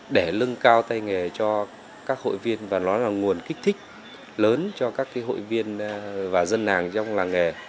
để lưng cao tay nghề cho các hội viên và nó là nguồn kích thích lớn cho các hội viên và dân hàng trong làng nghề